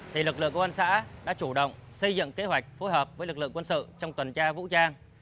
thì lực lượng công an xã đã chủ động xây dựng kế hoạch phối hợp với lực lượng quân sự trong tuần tra vũ trang